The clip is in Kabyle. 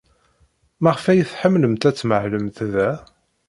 Maɣef ay tḥemmlemt ad tmahlemt da?